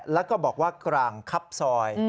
แล้วก็บอกว่ากลางครับซอย